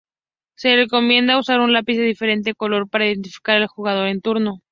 Se recomienda usar un lápiz de diferente color para identificar al jugador en turno.